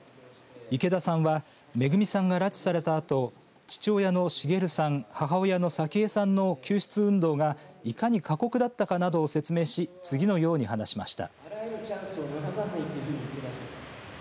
池田さんはめぐみさんが拉致されたあと父親の滋さん母親の早紀江さんの救出運動がいかに過酷だったかなどを説明し次のように話しました。